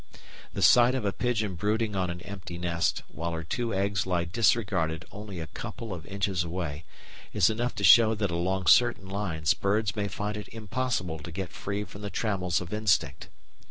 The sight of a pigeon brooding on an empty nest, while her two eggs lie disregarded only a couple of inches away, is enough to show that along certain lines birds may find it impossible to get free from the trammels of instinct.